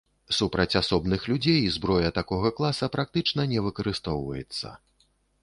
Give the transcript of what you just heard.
Супраць асобных людзей зброя такога класа практычна не выкарыстоўваецца.